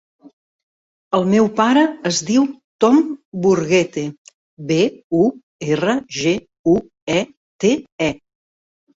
El meu pare es diu Tom Burguete: be, u, erra, ge, u, e, te, e.